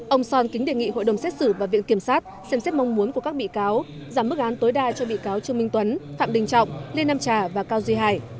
ông son kính đề nghị hội đồng xét xử và viện kiểm sát xem xét mong muốn của các bị cáo giảm mức án tối đa cho bị cáo trương minh tuấn phạm đình trọng lê nam trà và cao duy hải